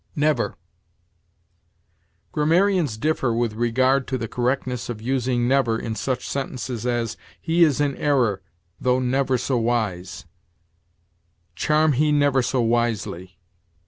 NEVER. Grammarians differ with regard to the correctness of using never in such sentences as, "He is in error, though never so wise," "Charm he never so wisely."